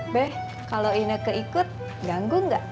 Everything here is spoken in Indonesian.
beh kalau ineke ikut ganggu gak